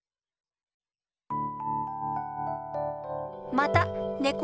またねこ